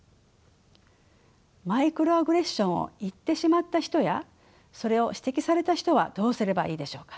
マイクロアグレッションを言ってしまった人やそれを指摘された人はどうすればいいでしょうか。